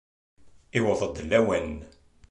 Iwweḍ-d lawan!